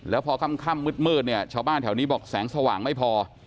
แล้วพอค่ำมืดเนี่ยชาวบ้านแถวนี้บอกแสงสว่างไม่พอ